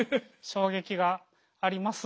衝撃があります。